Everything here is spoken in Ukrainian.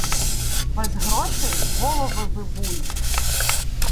Без грошей?.. Голови ви буї!